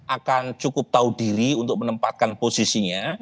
akan cukup tahu diri untuk menempatkan posisinya